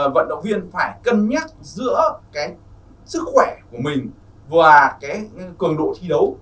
vận động viên phải cân nhắc giữa cái sức khỏe của mình và cái cường độ thi đấu